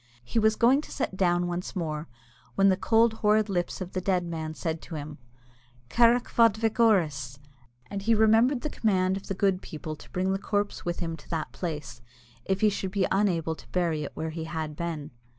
He was going to sit down once more, when the cold, horrid lips of the dead man said to him, "Carrick fhad vic Orus," and he remembered the command of the good people to bring the corpse with him to that place if he should be unable to bury it where he had been.